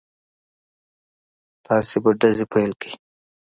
تاسې به ډزې پيل کړئ.